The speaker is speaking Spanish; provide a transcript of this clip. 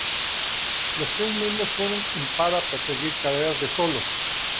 Los tres miembros fueron en para perseguir carreras de solo.